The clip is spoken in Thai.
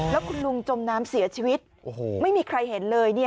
แล้วคุณลุงจมน้ำเสียชีวิตไม่มีใครเห็นเลย